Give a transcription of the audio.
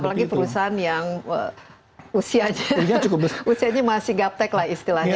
apalagi perusahaan yang usianya masih gap tech lah istilahnya